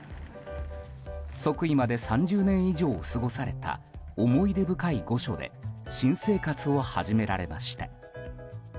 即位まで３０年以上を過ごされた思い出深い御所で新生活を始められました。